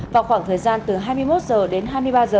vào khoảng thời gian từ hai mươi một h đến hai mươi ba h